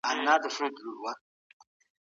د سعدي بوستان او ګلستان او د حضرت مولانا